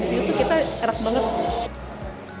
di sini tuh kita enak banget